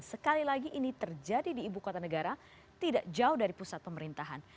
sekali lagi ini terjadi di ibu kota negara tidak jauh dari pusat pemerintahan